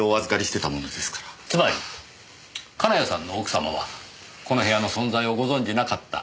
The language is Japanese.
つまり金谷さんの奥様はこの部屋の存在をご存じなかった。